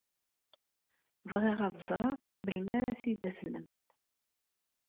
Bɣiɣ ad ẓreɣ melmi ara t-id-taznemt.